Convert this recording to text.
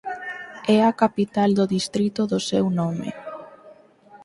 É a capital do distrito do seu nome.